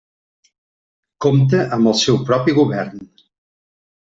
Compta amb el seu propi govern.